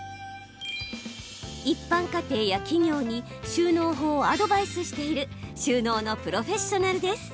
一般家庭や企業に収納法をアドバイスしている収納のプロフェッショナルです。